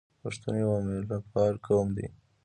پښتون یو میلمه پال قوم دی.